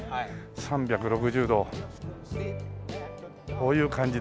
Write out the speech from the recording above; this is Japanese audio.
３６０度こういう感じですわ。